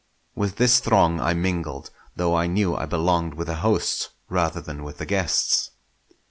With this throng I mingled, though I knew I belonged with the hosts rather than with the guests.